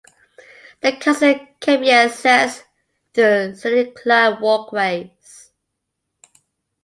The castle can be accessed through scenic Clyde walkways.